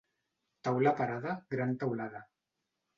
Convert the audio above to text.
Taula parada, gran teulada.